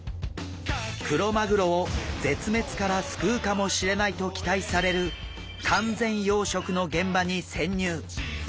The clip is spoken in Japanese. クロマグロを絶滅から救うかもしれないと期待される完全養殖の現場に潜入。